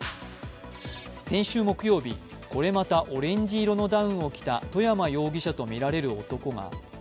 先週木曜日、これまたオレンジ色のダウンを着た外山容疑者とみられる男が。